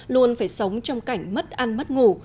luôn phải sống trong cảnh mất ăn mất ngủ